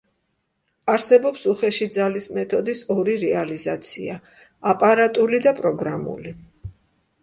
არსებობს უხეში ძალის მეთოდის ორი რეალიზაცია: აპარატული და პროგრამული.